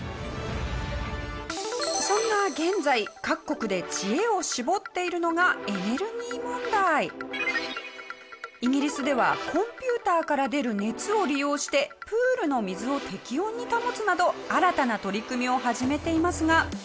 そんな現在各国で知恵を絞っているのがイギリスではコンピューターから出る熱を利用してプールの水を適温に保つなど新たな取り組みを始めていますが。